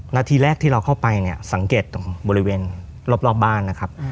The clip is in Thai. นาทีแรกที่เราเข้าไปเนี่ยสังเกตตรงบริเวณรอบบ้านนะครับ